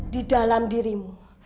di dalam dirimu